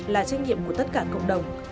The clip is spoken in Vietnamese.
là trách nhiệm của tất cả cộng đồng